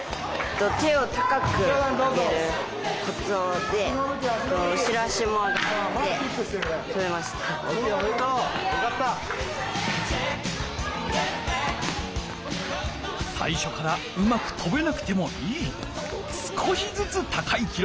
さいしょからうまくとべなくてもいい。